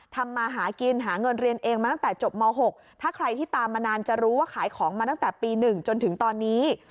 ทำมาหากินหาเงินเรียนเองมาตั้งแต่จบม๖ถ้าใครที่ตามมานานจะรู้ว่าขายของมาตั้งแต่ปี๑จนถึงตอนนี้